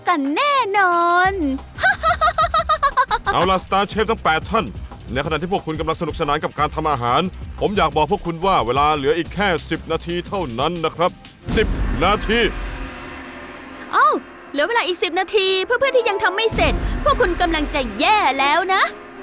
อ้าวเดี๋ยวเวลาอีก๑๐นาทีเพื่อเพื่อนที่ยังทำไม่เสร็จพวกคุณกำลังจะแย่แล้วนะ